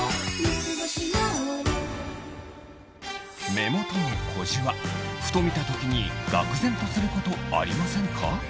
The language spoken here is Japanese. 目元の小じわふと見た時にがくぜんとすることありませんか？